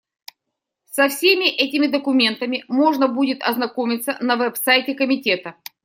Со всеми этими документами можно будет ознакомиться на веб-сайте Комитета.